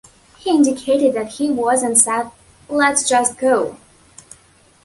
He indicated that he was and said "Let's just go".